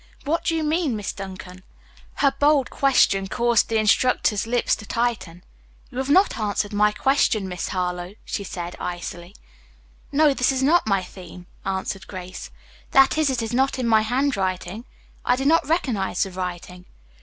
"What do you mean, Miss Duncan?" Her bold question caused the instructor's lips to tighten. "You have not answered my question, Miss Harlowe," she said icily. "No, this is not my theme," answered Grace; "that is, it is not in my hand writing. I do not recognize the writing."